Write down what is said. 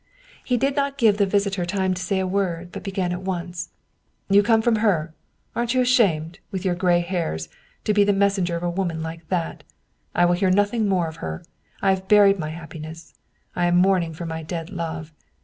He did not give the visitor time to say a word, but began at once: " You come from her? Aren't you ashamed, with your gray hairs, to be the messenger of a woman like that? I will hear nothing more of her. I have buried my happiness, I am mourning for my dead love.